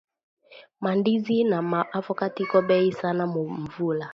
Ma ndizi, na ma avocat iko beyi sana mu mvula